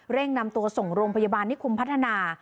นำตัวส่งโรงพยาบาลนิคมพัฒนา